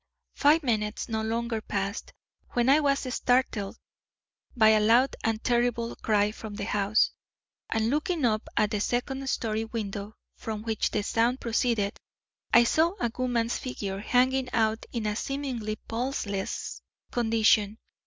"Five minutes, no longer, passed, when I was startled by a loud and terrible cry from the house, and looking up at the second story window from which the sound proceeded, I saw a woman's figure hanging out in a seemingly pulseless condition.